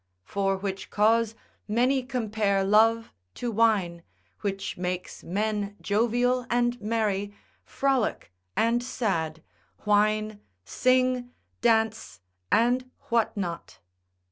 For which cause many compare love to wine, which makes men jovial and merry, frolic and sad, whine, sing, dance, and what not.